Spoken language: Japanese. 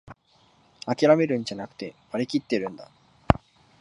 あきらめるんじゃなく、割りきってるんだ